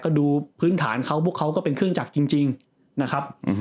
ก็ดูพื้นฐานเขาพวกเขาก็เป็นเครื่องจักรจริงนะครับ